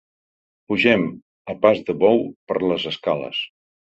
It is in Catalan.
Pugem a pas de bou per les escales.